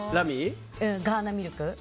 ガーナミルク。